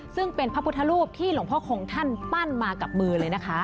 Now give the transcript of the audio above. ซึ่งเป็นพระพุทธรูปที่หลวงพ่อคงท่านปั้นมากับมือเลยนะคะ